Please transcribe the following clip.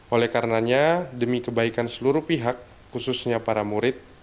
oleh karenanya demi kebaikan seluruh pihak khususnya para murid